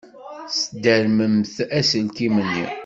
Sdermemt aselkim-nni.